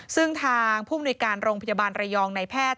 ซึ่งทางผู้มนุยการโรงพยาบาลระยองในแพทย์